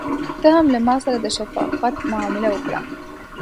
ته هم له ماسره د شفقت معامله وکړه.